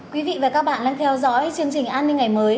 quý vị và các bạn đang theo dõi chương trình an ninh ngày mới